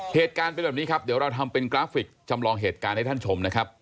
เหตุการณ์เป็นแบบนี้ครับเดี๋ยวเราทำเป็นกราฟิกจำลองเหตุการณ์ให้ท่านชมนะครับ